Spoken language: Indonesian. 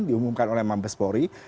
diumumkan oleh mabespori